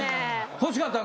欲しかったん？